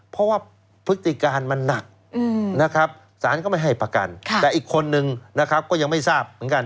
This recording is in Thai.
เพราะว่าพฤติการมันนักศาลก็ไม่ให้ประกันแต่อีกคนนึงก็ยังไม่ทราบเหมือนกัน